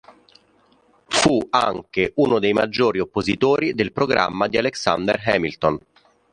Fu anche uno dei maggiori oppositori del programma di Alexander Hamilton.